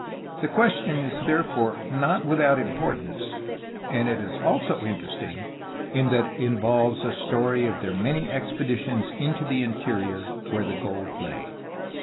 The question is therefore not without importance, and it is also interesting in that it involves a story of their many expeditions into the interior where the gold lay.